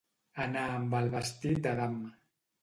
Anar amb el vestit d'Adam.